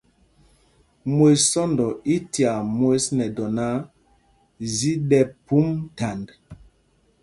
Mwes sɔ́ndɔ i tyaa mwes nɛ dɔ náǎ, zi ɗɛ́ phûm thand.